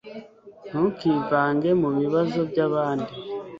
ntukivange mubibazo byabandi